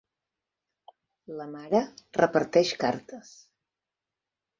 La mare reparteix cartes.